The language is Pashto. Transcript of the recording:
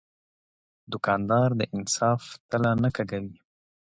دوکاندار د انصاف تله نه کږوي.